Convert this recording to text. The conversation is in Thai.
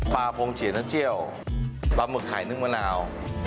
ปลาโพงเจียน้ำเจียวปลาหมึกไข่นึกมะนาว